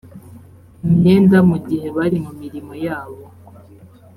imyenda mu gihe bari mu mirimo yabo